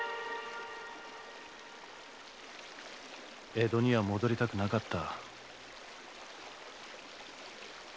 江戸には戻りたくなかった。